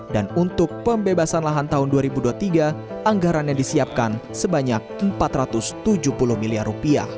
dan untuk pembebasan lahan tahun dua ribu dua puluh tiga anggarannya disiapkan sebanyak rp empat ratus tujuh puluh miliar